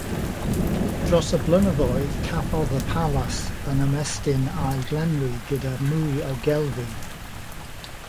Dros y blynyddoedd cafodd y palas ei ymestyn a'i lenwi gyda mwy o gelfi.